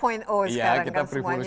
industry empat sekarang kan semuanya